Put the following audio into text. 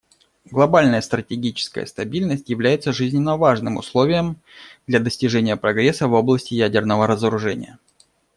Глобальная стратегическая стабильность является жизненно важным условием для достижения прогресса в области ядерного разоружения.